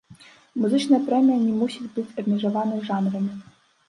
Музычная прэмія не мусіць быць абмежаванай жанрамі.